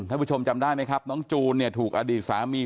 ผู้ชมจำได้ไหมครับน้องจูนเนี่ยถูกอดีตสามี